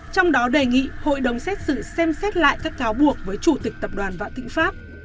trong đó đề nghị hội đồng xét xử xem xét lại các cáo buộc với chủ tịch tập đoàn vạn thịnh pháp